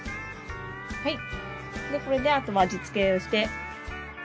はいこれであとは味付けをして。